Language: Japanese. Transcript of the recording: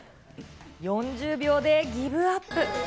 ４０秒でギブアップ。